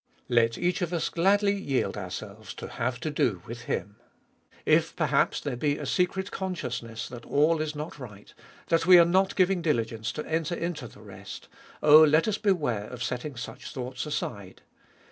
Let each of us gladly yield ourselves to have to do with Him. If perhaps there be a secret consciousness that all is not right, that we are not giving diligence to enter into the rest, oh, let us beware of setting such thoughts aside.